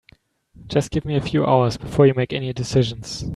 Just give me a few hours before you make any decisions.